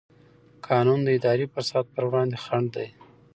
قانون د اداري فساد پر وړاندې خنډ دی.